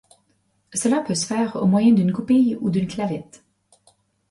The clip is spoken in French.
Cela peut se faire au moyen d'une goupille ou d'une clavette.